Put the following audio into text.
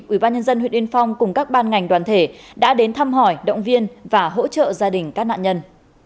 ubnd huyện yên phong cùng các ban ngành đoàn thể đã đến thăm hỏi động viên và hỗ trợ gia đình các nạn nhân